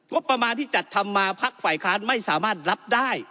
งบประมาณที่จัดทำมาพักฝ่ายค้านไม่สามารถรับได้